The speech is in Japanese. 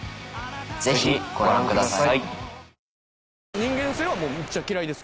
ぜひご覧ください。